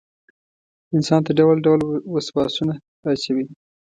انسان ته ډول ډول وسواسونه وراچوي.